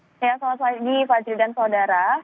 ya selamat pagi pak jirudhan saudara